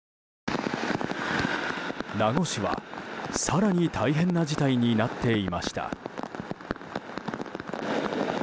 名護市は更に大変な事態になっていました。